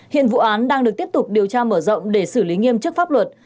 hiện vụ án đang được tiếp tục điều tra mở rộng để xử lý nghiêm chức pháp luật